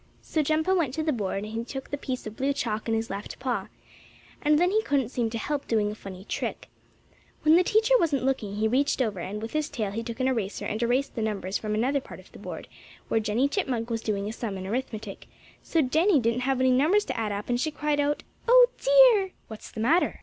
So Jumpo went to the board, and he took the piece of blue chalk in his left paw. And then he couldn't seem to help doing a funny trick. When the teacher wasn't looking he reached over, and with his tail he took an eraser and erased the numbers from another part of the board where Jennie Chipmunk was doing a sum in arithmetic, so Jennie didn't have any numbers to add up, and she cried out: "Oh, dear!" "What's the matter?"